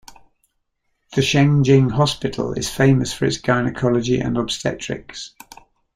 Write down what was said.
The Shengjing Hospital is famous for its gynaecology and obstetrics.